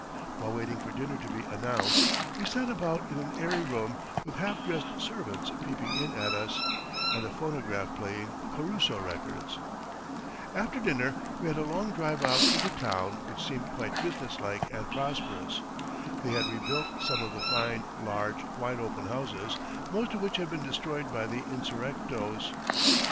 While waiting for dinner to be announced, we sat about in an airy room, with half dressed servants peeping in at us, and a phonograph playing Caruso records. [Illustration: VIEW IN ILOILO, ILOILO, SHOWING HIGH SCHOOL GROUNDS.] After dinner we had a long drive out through the town, which seemed quite business like and prosperous. They had rebuilt some of the fine, large, wide open houses, most of which had been destroyed by the insurrectos.